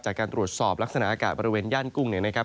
จากการตรวจสอบลักษณะอากาศบริเวณย่านกุ้งเนี่ยนะครับ